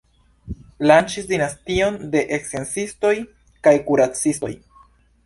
Lanĉis dinastion de sciencistoj kaj kuracistoj.